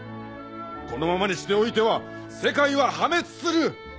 このままにしておいては世界は破滅する！